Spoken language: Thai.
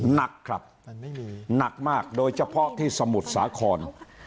หนักครับโดยเฉพาะที่สมุทรสาคร